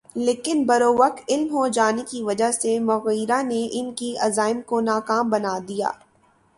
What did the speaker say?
لیکن بروقت علم ہو جانے کی وجہ سے مغیرہ نے ان کے عزائم کو ناکام بنا دیا۔